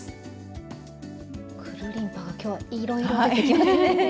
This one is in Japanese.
くるりんぱが今日はいろいろ出てきますね。